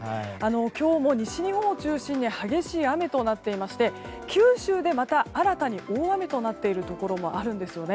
今日も西日本を中心に激しい雨となっていまして九州でまた新たに大雨となっているところもあるんです。